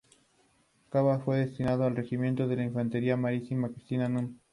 En Cuba fue destinado al Regimiento de Infantería María Cristina núm.